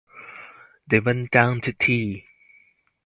They went down to tea.